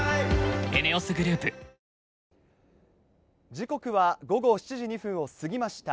時刻は午後７時２分を過ぎました。